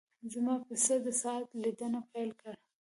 زما پسه د ساعت لیدنه پیل کړه.